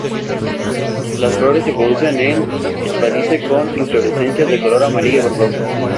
Las flores se producen en espádice con inflorescencias de color amarillo verdoso.